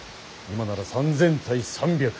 今なら３，０００対３００。